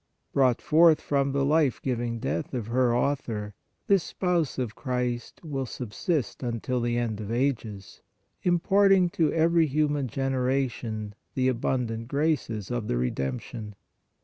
Brought forth by the life giving death of her Author, this Spouse of Christ will subsist until the end of ages, imparting to every human generation the abundant graces of the Redemption.